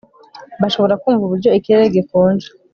Bashobora kumva uburyo ikirere gikonje